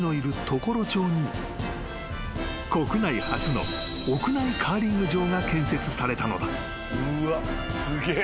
常呂町に国内初の屋内カーリング場が建設されたのだ］